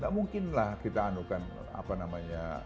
tidak mungkin lah kita anuhkan apa namanya